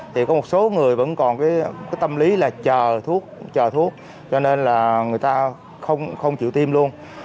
thì có một số người vẫn còn cái tâm lý là chờ thuốc chờ thuốc cho nên là người ta không chịu tiêm luôn